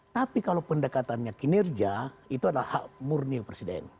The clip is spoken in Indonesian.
tapi kalau pendekatannya kinerja itu adalah hak murni presiden